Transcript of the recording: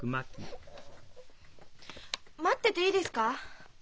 待ってていいですか？